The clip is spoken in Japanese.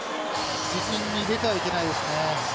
自陣に入れてはいけないですね。